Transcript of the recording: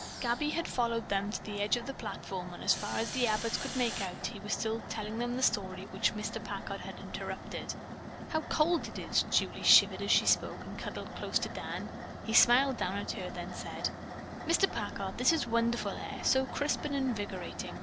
Gabby had followed them to the edge of the platform, and as far as the Abbotts could make out, he was still telling them the story which Mr. Packard had interrupted. "How cold it is!" Julie shivered as she spoke and cuddled close to Dan. He smiled down at her and then said: "Mr. Packard, this is wonderful air, so crisp and invigorating.